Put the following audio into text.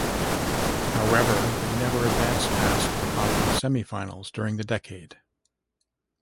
However, they never advanced past the conference semifinals during the decade.